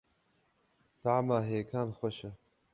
Tahma hêkan xweş e.